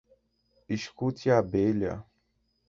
escute a abelha